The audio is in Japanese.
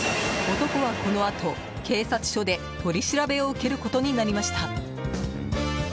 男は、このあと警察署で取り調べを受けることになりました。